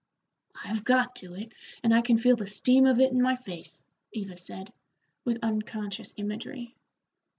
"I've got to it, and I can feel the steam of it in my face," Eva said, with unconscious imagery.